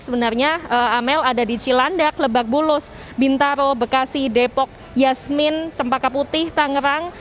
sebenarnya amel ada di cilandak lebak bulus bintaro bekasi depok yasmin cempaka putih tangerang